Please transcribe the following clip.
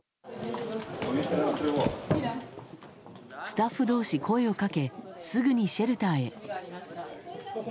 スタッフ同士、声をかけすぐにシェルターへ。